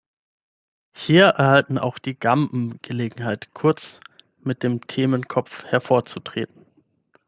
Hier erhalten auch die Gamben Gelegenheit, kurz mit dem Themenkopf hervorzutreten.